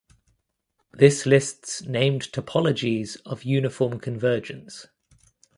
This lists named topologies of uniform convergence.